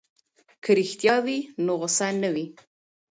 که رښتیا وي نو غوسه نه وي.